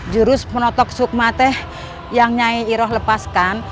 jurus penotok sukmateh yang nyaiiroh lepaskan